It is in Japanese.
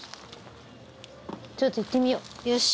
ちょっと行ってみようよし。